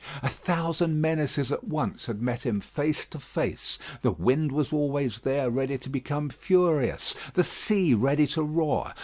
A thousand menaces at once had met him face to face. The wind was always there, ready to become furious; the sea, ready to roar.